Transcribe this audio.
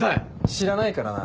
知らないからな。